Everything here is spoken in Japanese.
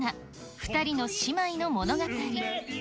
２人の姉妹の物語。